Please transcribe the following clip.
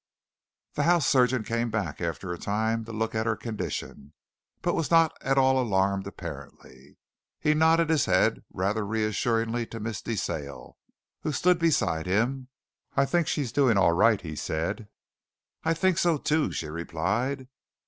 The house surgeon came back after a time to look at her condition, but was not at all alarmed apparently. He nodded his head rather reassuringly to Miss De Sale, who stood beside him. "I think she's doing all right," he said. "I think so, too," she replied.